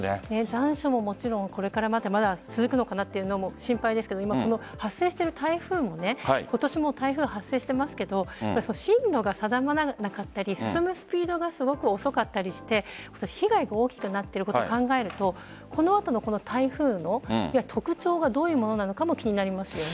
残暑ももちろんこれからまだ続くのかなというのも心配ですが発生している台風も今年、台風発生していますが進路が定まらなかったり進むスピードがすごく遅かったりして被害が大きくなっていることを考えるとこの後の台風の特徴がどういうものなのかも気になりますよね。